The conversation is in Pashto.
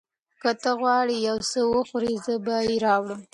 که ته غواړې چې یو څه وخورې، زه به یې راوړم.